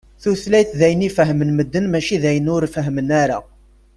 Tutlayt d ayen i fehhmen medden, mačči d ayen ur fehhmen ara.